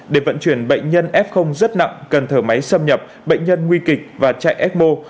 để vận chuyển bệnh nhân f rất nặng cần thở máy xâm nhập bệnh nhân nguy kịch và chạy ecmo